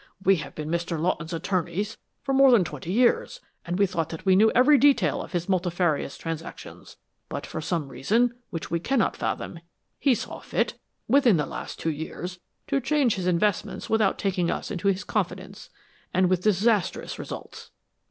We have been Mr. Lawton's attorneys for more than twenty years, and we thought that we knew every detail of his multifarious transactions, but for some reason which we cannot fathom he saw fit, within the last two years, to change his investments without taking us into his confidence and with disastrous results."